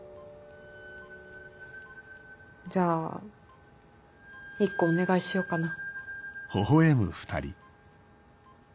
じゃあ１個お願いしようかな。